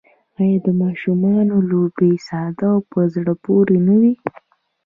آیا د ماشومانو لوبې ساده او په زړه پورې نه وي؟